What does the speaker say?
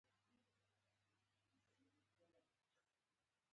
څوک چې ټوپک لري هغه د افغانستان د خلکو د سرنوشت ټاکلو حق لري.